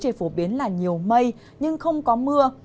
chỉ phổ biến là nhiều mây nhưng không có mưa